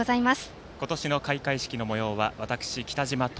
今年の開会式のもようは私、北嶋と。